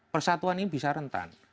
persatuan ini bisa rentan